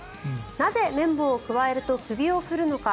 なぜ、綿棒をくわえると首を振るのか。